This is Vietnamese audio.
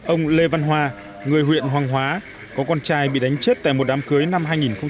ông lê văn hoa người huyện hoàng hóa có con trai bị đánh chết tại một đám cưới năm hai nghìn một mươi